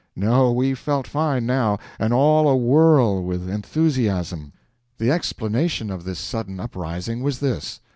No, we felt fine, now, and all awhirl with enthusiasm. The explanation of this sudden uprising was this.